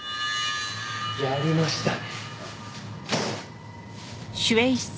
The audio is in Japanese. やりましたね。